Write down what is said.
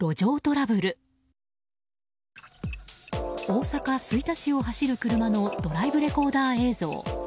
大阪・吹田市を走る車のドライブレコーダー映像。